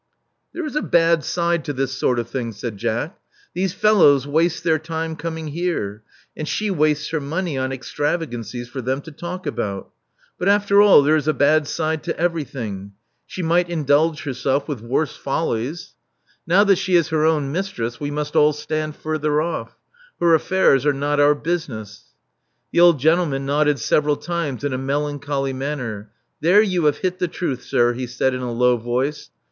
There is a bad side to this sj>rt of thing," said Jack. These fellows waste their time coming here ; and she wastes her money on extravagancies for them to talk about. But after all, tiftre is a bad side to everything: she might indulge herself with worse 422 Love Among the Artists follies. Now that she is her own mistress, we must all stand further oflF. Her aflEairs are not our business.*' The old gentleman nodded several times in a melancholy manner. "There you have hit the truth, sir,*' he said in a low voice.